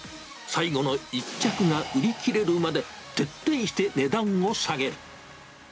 最後の１着が売り切れるまで、徹底して値段を下げる。